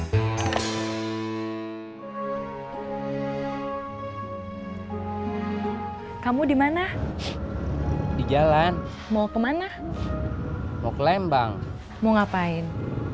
hai kamu dimana di jalan mau kemana mau ke lembang mau ngapain